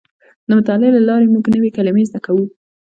د مطالعې له لارې موږ نوې کلمې زده کوو.